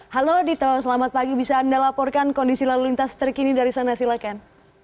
halo dito selamat pagi bisa anda laporkan kondisi lalu lintas terkini dari sana silahkan